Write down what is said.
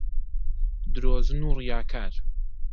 درۆزن و ڕیاکار